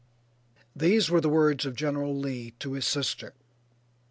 These were the words of General Lee to his sister.